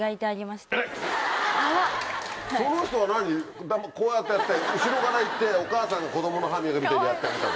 その人は何こうやってやって後ろから行ってお母さんが子供の歯磨くみたいにやってあげたの？